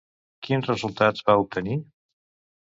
Quins resultats va obtenir?